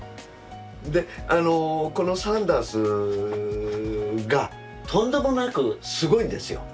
でこのサンダースがとんでもなくすごいんですよ。